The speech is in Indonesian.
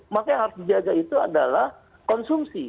maka yang harus dijaga itu adalah konsumsi